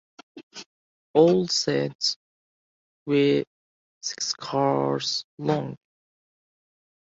All sets were six cars long.